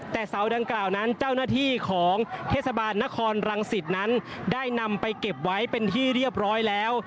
แต่เสาดังกล่าวนั้นเจ้าหน้าที่ของเทศบาลนครรังสิตนั้นได้นำไปเก็บไว้เป็นที่เรียบร้อยแล้ว